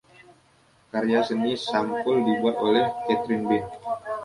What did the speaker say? Karya seni sampul dibuat oleh Kathryn Bint.